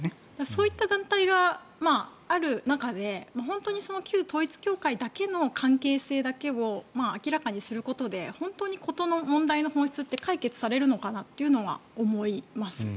そういった団体がある中で本当に旧統一教会だけの関係性だけを明らかにすることで本当に事の問題の本質が解決されるのかなというのは思います。